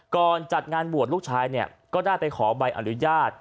ก่อนจัดงานบวชลูกชายก็ได้ไปขอใบอนุญาต